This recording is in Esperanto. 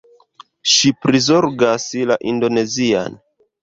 Ŝi prizorgas la Indonezian